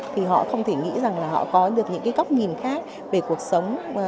thì họ không thể nghĩ rằng là họ có được những cái góc nhìn khác về cuộc sống